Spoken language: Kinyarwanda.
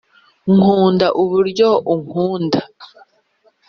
Nkunda uburyo unkunda